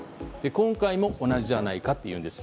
今回も同じではないかというんです。